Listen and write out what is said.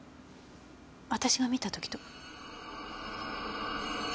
私が見た時と。